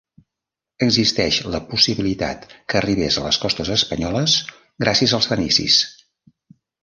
Existeix la possibilitat que arribés a les costes espanyoles gràcies als fenicis.